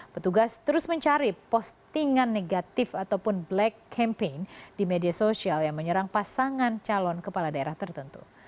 petugas terus mencari postingan negatif ataupun black campaign di media sosial yang menyerang pasangan calon kepala daerah tertentu